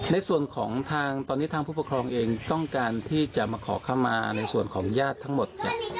ในส่วนของทางตอนนี้ทางผู้ปกครองเองต้องการที่จะมาขอเข้ามาในส่วนของญาติทั้งหมดเนี่ย